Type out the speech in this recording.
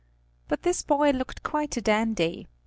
But this boy looked quite a dandy.